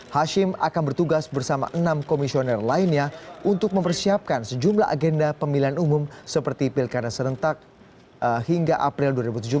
hashim akan bertugas bersama enam komisioner lainnya untuk mempersiapkan sejumlah agenda pemilihan umum seperti pilkada serentak hingga april dua ribu tujuh belas